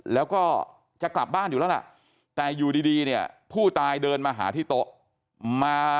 แล้วก็จะกลับบ้านอยู่แล้วล่ะแต่อยู่ดีเนี่ยผู้ตายเดินมาหาที่โต๊ะมา